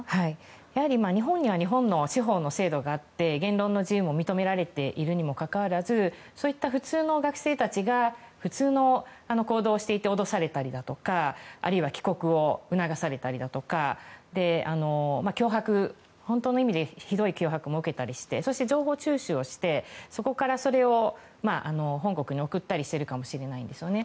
やはり日本には日本の司法の制度があって言論の自由も認められているのに普通の学生たちが普通の行動をしていて脅されたりだとかあるいは帰国を促されたりだとか本当の意味でひどい脅迫を受けたりしてそれで情報収集してそこから、それを本国に送ったりしてるかもしれないんですよね。